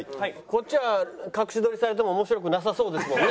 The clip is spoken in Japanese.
こっちは隠し撮りされても面白くなさそうですもんね。